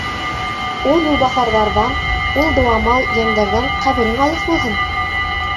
Ул юлбаҫарҙарҙан, ул дыуамал йәндәрҙән ҡәберең алыҫ булһын!